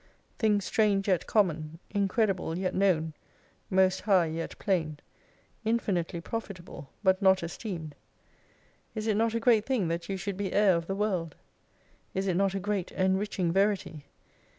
Things strange yet common, incredible, yet known ; most high, yet plain ; infinitely profitable, but not esteemed. Is it not a great thing that you should be Heir of the "World? Is it not a great enriching verity?